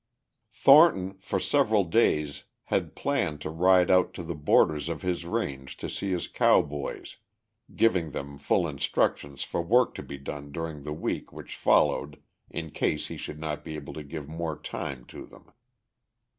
Thornton for several days had planned to ride out to the borders of his range and see his cowboys, giving them full instructions for work to be done during the week which followed in case he should not be able to give more time to them.